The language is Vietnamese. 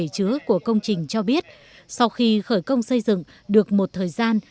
chứa của công trình cho biết sau khi khởi công xây dựng được một thời gian